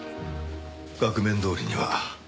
額面どおりには。